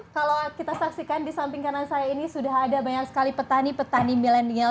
kalau kita saksikan di samping kanan saya ini sudah ada banyak sekali petani petani milenial